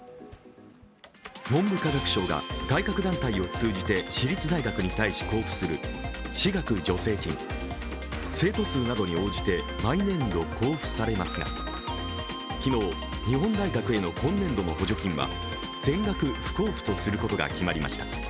文部科学省が外郭団体を通じて私立大学に対して交付する私学助成金、生徒数などに応じて毎年度交付されますが昨日、日本大学への今年度の補助金は全額不交付とすることが決まりました。